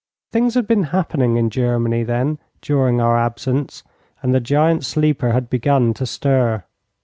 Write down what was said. Things had been happening in Germany, then, during our absence, and the giant sleeper had begun to stir.